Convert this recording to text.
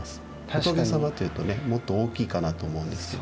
仏様っていうとねもっと大きいかなと思うんですけど。